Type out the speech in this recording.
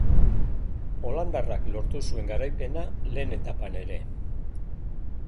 Holandarrak lortu zuen garaipena lehen etapan ere.